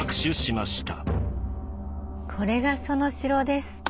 これがその城です。